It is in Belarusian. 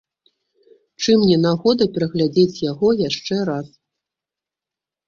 Чым не нагода пераглядзець яго яшчэ раз?